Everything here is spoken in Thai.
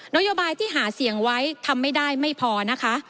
โยบายที่หาเสียงไว้ทำไม่ได้ไม่พอนะคะ